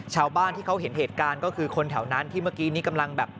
ชาวบ้านที่เขาเห็นเหตุการณ์ก็คือคนแถวนั้นที่เมื่อกี้นี้กำลังแบบ